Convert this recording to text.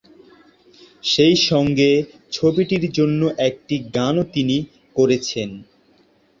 সেইসঙ্গে ছবিটির জন্য একটি গানও তৈরি করেছেন তিনি।